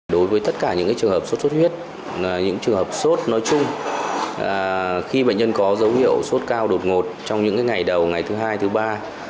đối với tất cả những trường hợp sốt sốt huyết những trường hợp sốt nói chung khi bệnh nhân có dấu hiệu sốt cao đột ngột trong những ngày đầu ngày thứ hai thứ ba